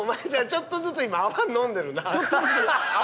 ちょっとずつ泡を飲んでます。